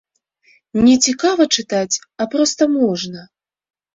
Не цікава чытаць, а проста можна.